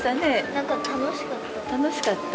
なんか楽しかった。